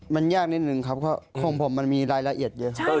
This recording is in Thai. มันยากนิดนึงครับเพราะของผมมันมีรายละเอียดเยอะครับ